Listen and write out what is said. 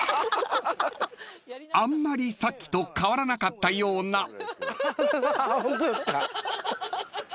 ［あんまりさっきと変わらなかったような］